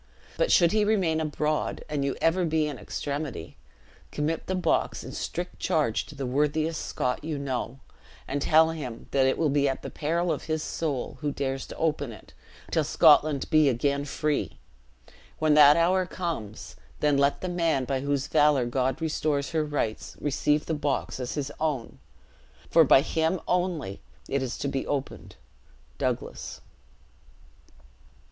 But should he remain abroad, and you ever be in extremity, commit the box in strict charge to the worthiest Scot you know; and tell him that it will be at the peril of his soul, who dares to open it, till Scotland be again free! When that hour comes, then let the man by whose valor God restores her rights, receive the box as his own; for by him only it is to be opened. Douglas.'"